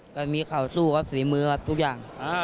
ตอนนี้เขาสู้ครับฝีมือครับทุกอย่าง